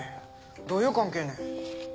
どういう関係ね？